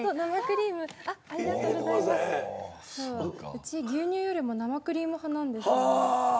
うち牛乳よりも生クリーム派なんですよね。